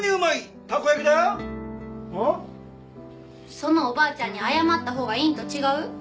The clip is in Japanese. そのおばあちゃんに謝ったほうがいいんと違う？